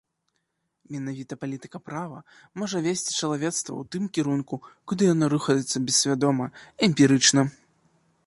Менавіта палітыка права можа весці чалавецтва ў тым кірунку, куды яно рухаецца бессвядома, эмпірычна.